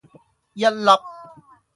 一粒